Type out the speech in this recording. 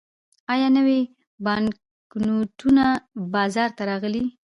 آیا نوي بانکنوټونه بازار ته راغلي؟